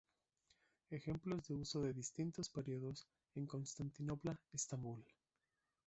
Ejemplos de uso de distintos periodos en Constantinopla-Estambul